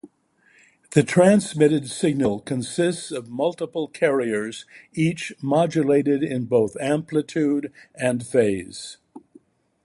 The transmitted signal consists of multiple carriers each modulated in both amplitude and phase.